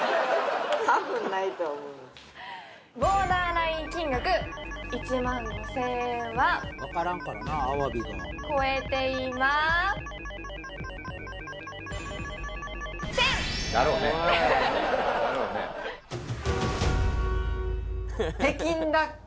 ボーダーライン金額１万５０００円は超えていません！